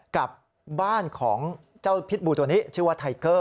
กับบ้านของเจ้าพิษบูตัวนี้ชื่อว่าไทเกอร์